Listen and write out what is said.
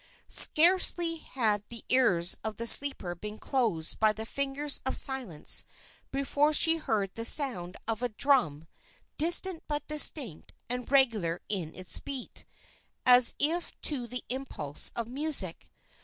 Scarcely had the ears of the sleeper been closed by the fingers of silence before she heard the sound of a drum distant, but distinct and regular in its beat, as if to the impulse of music.